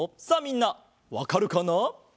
さあみんなわかるかな？